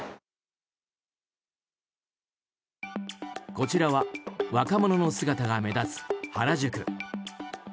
こちらは若者の姿が目立つ原宿。